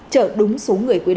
trở đúng số người quy định